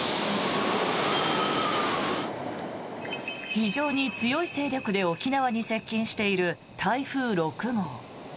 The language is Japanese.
非常に強い勢力で沖縄に接近している台風６号。